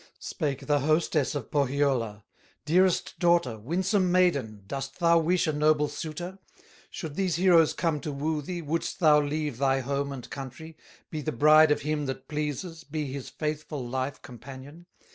Spake the hostess of Pohyola: "Dearest daughter, winsome maiden, Dost thou wish a noble suitor? Should these heroes come to woo thee, Wouldst thou leave thy home and country, Be the bride of him that pleases, Be his faithful life companion?